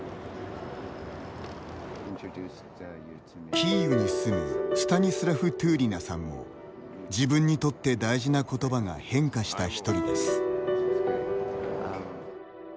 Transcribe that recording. キーウに住むスタニスラフ・トゥーリナさんも自分にとって大事な言葉が変化した１人です。